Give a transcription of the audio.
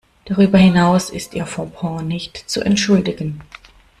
Darüber hinaus ist ihr Fauxpas nicht zu entschuldigen.